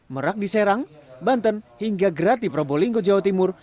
merak di serang banten hingga grati probolinggo jawa timur